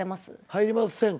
入りません。